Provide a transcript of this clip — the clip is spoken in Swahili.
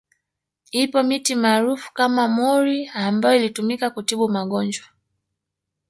Ipo miti maarufu kama mwori ambayo ilitumika kutibu magonjwa